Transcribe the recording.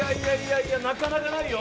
なかなかないよ